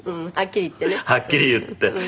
はっきり言ってね。